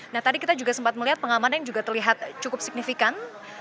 nah tadi kita juga sempat melihat pengamanan yang juga terlihat cukup signifikan